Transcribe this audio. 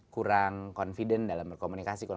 kurang confident dalam berkomunikasi